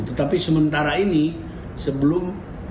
tetapi sementara ini sebelum